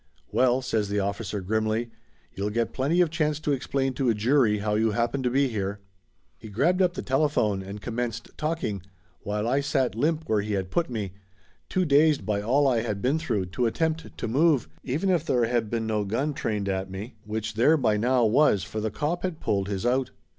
"Well," says the officer grimly, "you'll get plenty of chance to explain to a jury how you happened to be here!" He grabbed up the telephone ard commenced talking, while I sat limp where he had put me, too dazed by all I had been through to attempt to move, even if there had been no gun trained at me, which there by now was, for the cop had pulled his out.